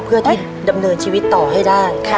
เพื่อที่ดำเนินชีวิตต่อให้ได้